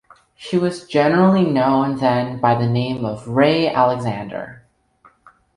She was generally known then by the name of Ray Alexander.